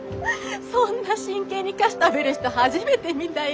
そんな真剣に菓子食べる人初めて見たよ！